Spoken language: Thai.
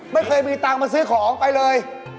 ไม่เคยมีตังค์มาซื้อของไปเลย